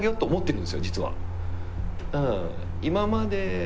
うん。